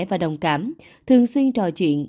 và đồng cảm thường xuyên trò chuyện